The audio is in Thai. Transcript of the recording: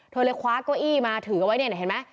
เธอเลยคว้าก้องอี้มาถือกว่านี่เห็นไหม